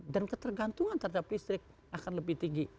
dan ketergantungan terhadap listrik akan lebih tinggi